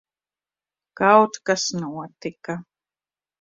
Kaut kas notika.